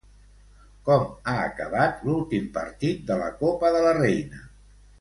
Com ha acabat l'últim partit de la Copa de la Reina?